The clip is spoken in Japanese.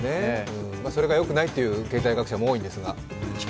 それがよくないという経済学者も多いんですが。